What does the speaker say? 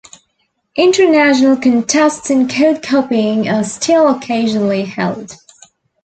International contests in code copying are still occasionally held.